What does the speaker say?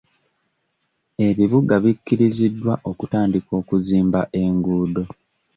Ebibuga bikiriziddwa okutandika okuzimba enguudo.